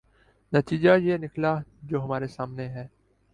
نتیجہ یہ نکلا جو ہمارے سامنے ہے۔